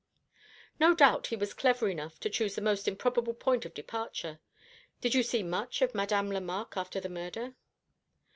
"No doubt he was clever enough to choose the most improbable point of departure. Did you see much of Madame Lemarque after the murder?"